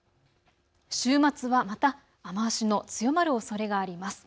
週末はまた雨足の強まるおそれがあります。